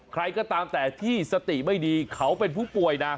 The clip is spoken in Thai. ใครก็ตามแต่ที่สติไม่ดีเขาเป็นผู้ป่วยนะ